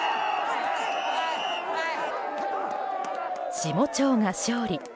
下町が勝利。